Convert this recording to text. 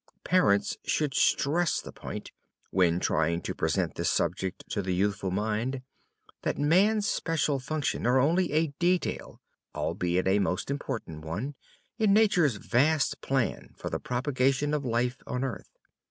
Parents should stress the point, when trying to present this subject to the youthful mind, that man's special functions are only a detail albeit a most important one in nature's vast plan for the propagation of life on earth.